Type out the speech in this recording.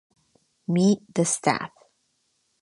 Meet the Staff